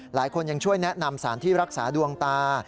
หลายคนยังช่วยแนะนำสารที่รักษาดวงตา